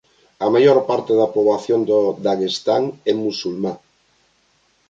A maior parte da poboación do Daguestán é musulmá.